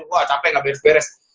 wah capek gak beres beres